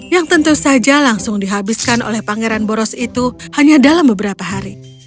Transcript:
yang tentu saja langsung dihabiskan oleh pangeran boros itu hanya dalam beberapa hari